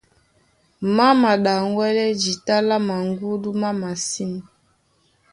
Má maɗaŋgwɛ́lɛ́ jǐta lá maŋgúdú má masîn.